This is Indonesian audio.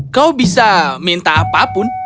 kau bisa minta apapun